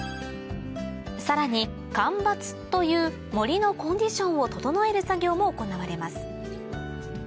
さらに間伐という森のコンディションを整える作業も行われます